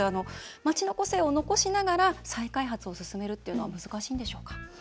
街の個性を残しながら再開発を進めるっていうのは難しいんでしょうか。